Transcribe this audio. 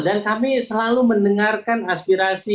dan kami selalu mendengarkan aspirasi